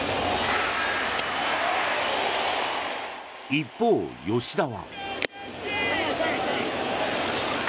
一方、吉田は。